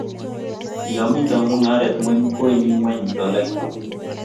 yo mito mungaret ingweny kowendi ngweny dolait